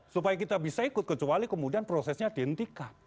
supaya kita bisa ikut kecuali kemudian prosesnya dihentikan